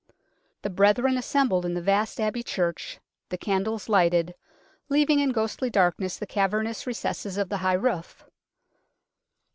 The brethren assembled in the vast Abbey church, the candles lighted, leaving in ghostly darkness the cavernous recesses of the high roof.